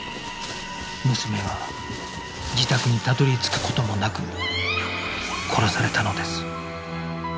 娘は自宅にたどり着く事もなく殺されたのです